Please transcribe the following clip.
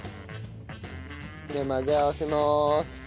混ぜ合わせます。